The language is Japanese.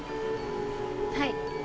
はい。